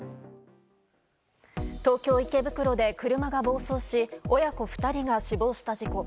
東京・池袋で車が暴走し親子２人が死亡した事故。